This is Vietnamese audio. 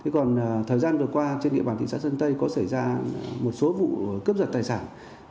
còn thời gian vừa qua trên địa bàn thị xã sơn tây có xảy ra một số vụ cướp giật tài sản